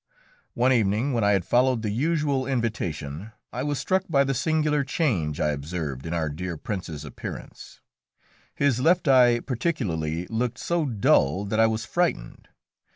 One evening, when I had followed the usual invitation, I was struck by the singular change I observed in our dear Prince's appearance; his left eye particularly looked so dull that I was frightened.